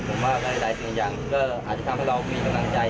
ผมว่าหลายสิ่งอย่างก็อาจจะทำให้เรามีกำลังใจ